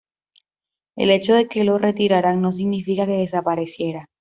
el hecho de que lo retiraran no significa que desapareciera